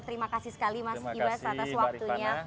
terima kasih sekali mas ibas atas waktunya